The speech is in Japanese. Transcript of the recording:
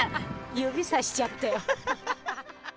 指さしちゃったよ。